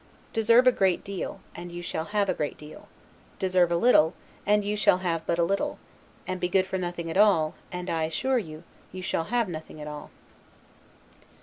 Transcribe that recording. Deserve a great deal, and you shall have a great deal; deserve a little, and you shall have but a little; and be good for nothing at all, and, I assure you, you shall have nothing at all.